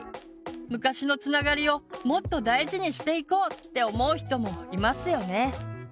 昔のつながりをもっと大事にしていこうって思う人もいますよね。